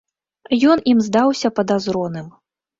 Ён ім здаўся падазроным.